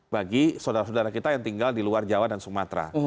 bagi saudara saudara kita yang tinggal di luar jawa dan sumatera